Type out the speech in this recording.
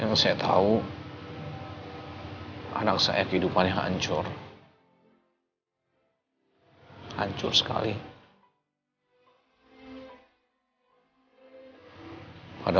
jadi tahun ini saya rooting untuk putri saya